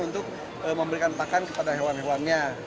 untuk memberikan pakan kepada hewan hewannya